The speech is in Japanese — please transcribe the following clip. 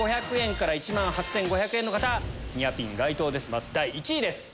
まず第１位です。